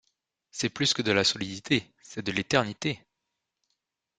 C’est plus que de la solidité, c’est de l’éternité.